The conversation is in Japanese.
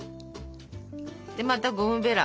でまたゴムベラ。